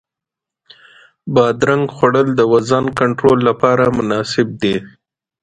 بادرنګ خوړل د وزن کنټرول لپاره مناسب دی.